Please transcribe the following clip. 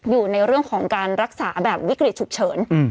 อยู่ในเรื่องของการรักษาแบบวิกฤตฉุกเฉิน